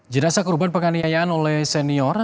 jenazah korban penganiayaan oleh senior